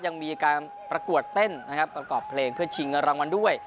ยังมีการประกวดเต้นนะครับประกอบเพลงเพื่อชิงเงินรางวัลด้วย